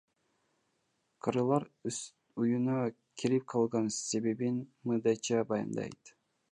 Карылар үйүнө келип калган себебин мындайча баяндайт.